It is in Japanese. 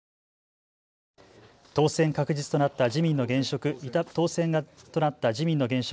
当選確実となった当選となった自民の現職